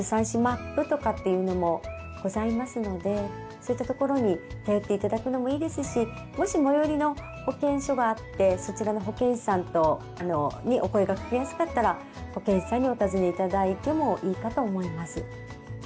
そういった所に頼って頂くのもいいですしもし最寄りの保健所があってそちらの保健師さんにお声かけやすかったら保健師さんにお尋ね頂いてもいいかと思います。